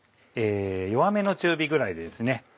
弱めの中火ぐらいですね。